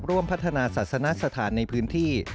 ร่วมพัฒนาศาสนสถานในพื้นที่